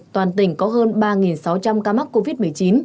toàn tỉnh có hơn ba sáu trăm linh ca mắc covid một mươi chín